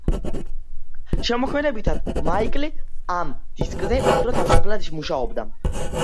შემოქმედებითად მაიკლი ამ დისკზე უფრო თავისუფლად მუშაობდა.